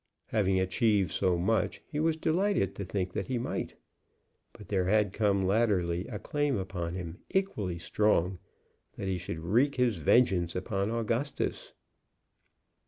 Having achieved so much, he was delighted to think that he might. But there had come latterly a claim upon him equally strong, that he should wreak his vengeance upon Augustus.